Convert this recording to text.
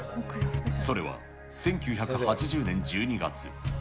それは１９８０年１２月。